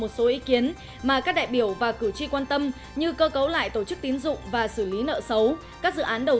xin chào và hẹn gặp lại